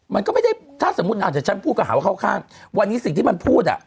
มันก็ไม่ได้ถ้าสมมุติอาจจะฉันพูดก็หาว่าเข้าข้างวันนี้สิ่งที่มันพูดอ่ะ